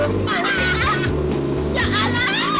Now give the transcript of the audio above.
aaaaah ya allah gini banget deh